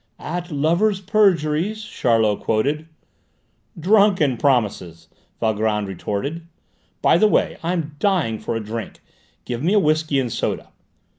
"At lovers' perjuries " Charlot quoted. "Drunken promises!" Valgrand retorted. "By the way, I am dying for a drink. Give me a whisky and soda."